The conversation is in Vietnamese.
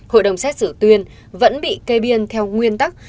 hội đồng xét xử tuyên vẫn bị kê biên theo nguyên tắc